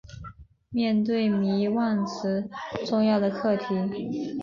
面对迷惘时重要的课题